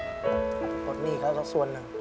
ลุกสัตว์รถนี่ครับสักส่วนหนึ่ง